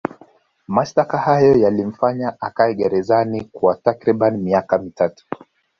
Mashtaka hayo yalimfanya akae gerezani kwa takribani miaka mitatu